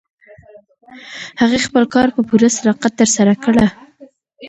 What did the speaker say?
هغې خپل کار په پوره صداقت ترسره کړ.